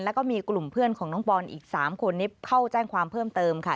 แล้วก็มีกลุ่มเพื่อนของน้องปอนอีก๓คนนี้เข้าแจ้งความเพิ่มเติมค่ะ